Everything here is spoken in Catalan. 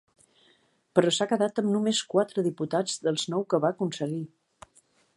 Però s’ha quedat amb només quatre diputats dels nou que va aconseguir.